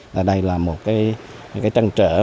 và đây là một trăn trở